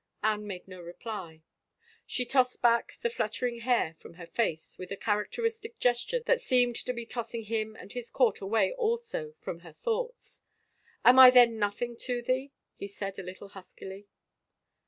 Anne made no reply. She tossed back the fluttering hair from her face with a characteristic gesture that seemed to be tossing him and his court away also from her thoughts. *^ Am I then nothing to thee ?'' he said a little huskily.